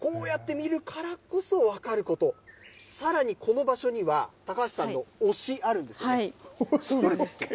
こうやって見るからこそ、分かること、さらに、この場所には高橋さんの推し、あるんですよね？